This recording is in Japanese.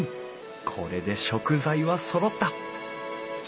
これで食材はそろった！